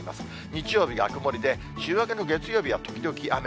日曜日が曇りで、週明けの月曜日は時々雨。